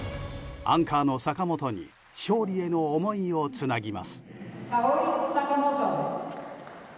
アンカーの坂本に勝利への思いをつなぎます。